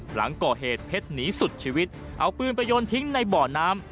หลังก่อเหตุเพชรหนีสุดชีวิตเอาปืนไปโยนทิ้งในบ่อน้ำ